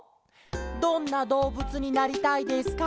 「どんなどうぶつになりたいですか？